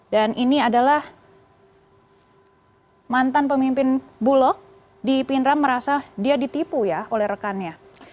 dan ini adalah mantan pemimpin bulog di pindrang merasa dia ditipu oleh rekannya